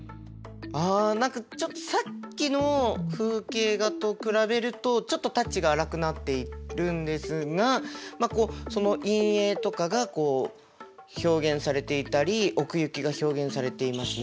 ああ何かちょっとさっきの風景画と比べるとちょっとタッチが粗くなっているんですがその陰影とかがこう表現されていたり奥行きが表現されていますね。